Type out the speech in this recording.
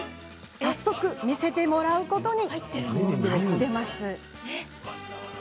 早速、見せてもらうことに。